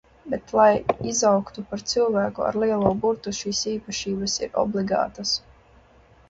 Bet, lai izaugtu par cilvēku ar lielo burtu, šīs īpašības ir obligātas.